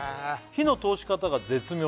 「火の通し方が絶妙で」